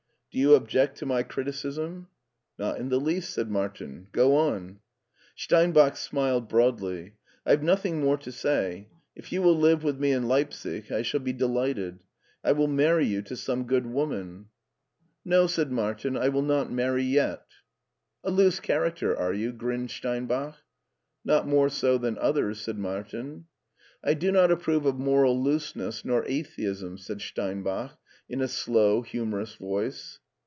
Do you object to my criticism ?"" Not in the least/' said Martin ;'* go on." Steinbach smiled broadly. " I've nothing more to say. If you will live with me in Leipsic I shall be delighted I will marry you to some good woman." ••' It I02 MARTIN SCHULER " No/' said Martin; " I will not iparry yet/' A loose character, are you?" grinned Steinbach. '* Not more so than others," said Martin. «" I do not approve of moral looseness nor atheism," said Steinbach in a slow, humorous voice.